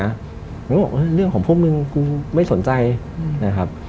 มันก็บอกเรื่องของพวกมึงกูไม่สนใจนะครับ